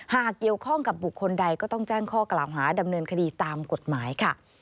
หากเกี่ยวข้องกับบุคคลใดก็ต้องแจ้งข้อกล่าวหาดำเนินคดีตามกฎหมายค่ะ